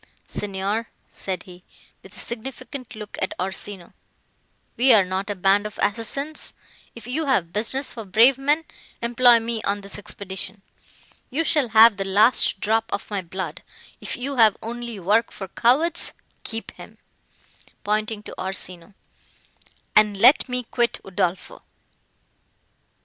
"Signor," said he, with a significant look at Orsino, "we are not a band of assassins; if you have business for brave men, employ me on this expedition: you shall have the last drop of my blood; if you have only work for cowards—keep him," pointing to Orsino, "and let me quit Udolpho."